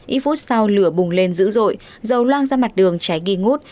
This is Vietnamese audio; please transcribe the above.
ít phút sau lửa bùng lên dữ dội dầu loang ra mặt đường cháy nghi ngút